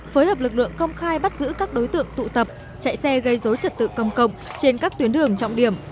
phối hợp lực lượng công khai bắt giữ các đối tượng tụ tập chạy xe gây dối trật tự công cộng trên các tuyến đường trọng điểm